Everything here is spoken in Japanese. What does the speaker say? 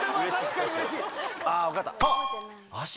分かった。